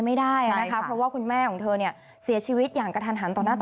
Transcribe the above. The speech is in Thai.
แม่บอกว่าแม่ห่วงน้อง